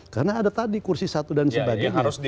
karena ada tadi kursi satu dan sebagainya